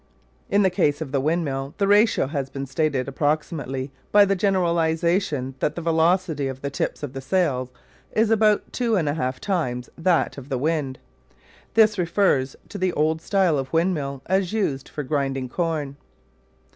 In the case of the windmill the ratio has been stated approximately by the generalisation that the velocity of the tips of the sails is about two and a half times that of the wind. This refers to the old style of windmill as used for grinding corn.